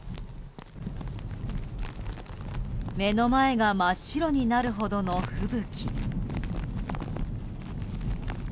目の前が真っ白になるほどの吹雪。